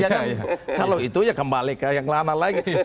kalau itu ya kembali ke yang lana lana